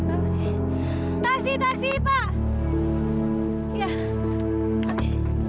aku tak dipercaya tuhan